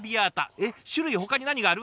えっ種類ほかに何がある？